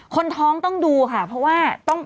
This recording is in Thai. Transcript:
คนท้องต้องดูค่ะเพราะว่าต้อง